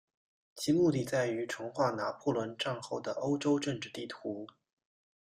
其目的在于重画拿破仑战败后的欧洲政治地图。